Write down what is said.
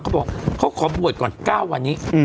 เขาบอกเขาขอบวชก่อน๙วันนี้